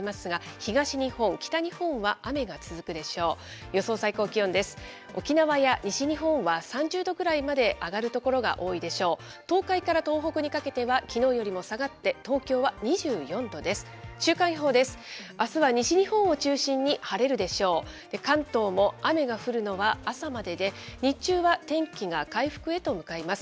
東海から東北にかけては、きのうよりも下がって、東京は２４度です。